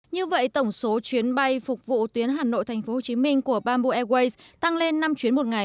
như vậy tổng số chuyến bay phục vụ tuyến hà nội thành phố hồ chí minh của bamboo airways tăng lên năm chuyến một ngày